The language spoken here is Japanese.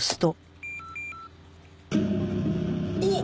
おっ！